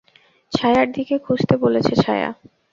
ছায়ার দিকে খুঁজতে বলেছে - ছায়া?